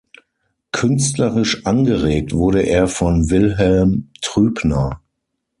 Künstlerisch angeregt wurde er von Wilhelm Trübner.